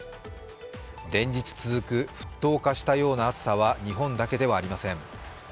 連日続く沸騰化したような暑さは日本だけではありません。